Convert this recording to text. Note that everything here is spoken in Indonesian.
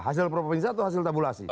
hasil perprovinsi atau hasil tabulasi